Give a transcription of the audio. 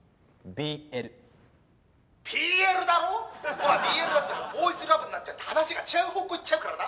「ＢＬだったらボーイズラブになっちゃって話が違う方向行っちゃうからな」